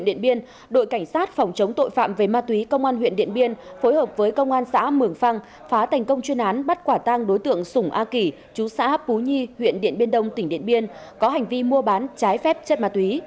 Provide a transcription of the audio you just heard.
điện biên đội cảnh sát phòng chống tội phạm về ma túy công an huyện điện biên phối hợp với công an xã mường phăng phá thành công chuyên án bắt quả tang đối tượng sùng a kỷ chú xã pú nhi huyện điện biên đông tỉnh điện biên có hành vi mua bán trái phép chất ma túy